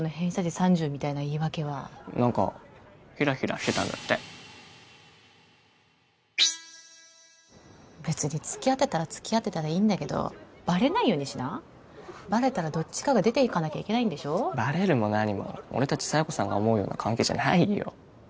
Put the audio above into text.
３０みたいな言い訳は何かヒラヒラしてたんだって別につきあってたらつきあってたでいいんだけどバレないようにしなバレたらどっちかが出ていかなきゃいけないんでしょバレるも何も俺達佐弥子さんが思うような関係じゃないよ